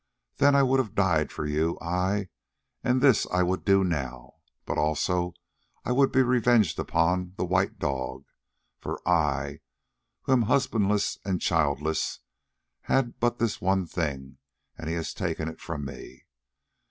Then I would have died for you, ay, and this I would do now. But also I would be revenged upon the white dog, for I, who am husbandless and childless, had but this one thing, and he has taken it from me.